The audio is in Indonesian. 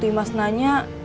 dia bilang kerjanya apa